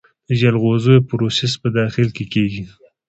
د جلغوزیو پروسس په داخل کې کیږي؟